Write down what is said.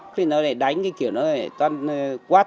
thì nó lại đánh cái kiểu nó lại toàn quát